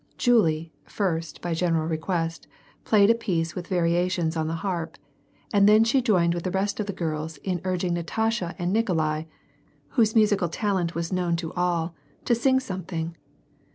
Julie, first, by general request, played a piece with variations on the harp and then she joined with the rest of the girls in urging Natasha and Nikolai, whose musical talent was known to all, to sing something.